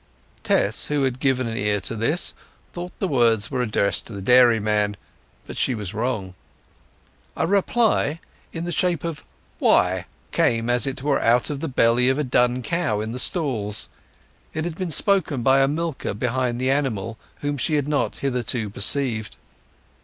Tess, who had given ear to this, thought the words were addressed to the dairyman, but she was wrong. A reply, in the shape of "Why?" came as it were out of the belly of a dun cow in the stalls; it had been spoken by a milker behind the animal, whom she had not hitherto perceived.